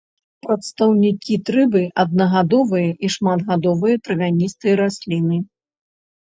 Прадстаўнікі трыбы аднагадовыя і шматгадовыя травяністыя расліны.